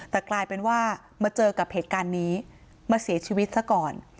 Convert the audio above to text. แต่กลายเป็นว่ามาเจอกับเหตุการณ์นี้มาเสียชีวิตซะก่อน